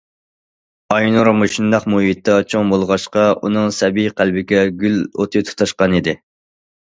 ئاينۇر مۇشۇنداق مۇھىتتا چوڭ بولغاچقا، ئۇنىڭ سەبىي قەلبىگە گۈل ئوتى تۇتاشقانىدى.